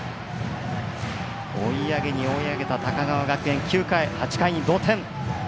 追い上げに追い上げた高川学園８回に同点。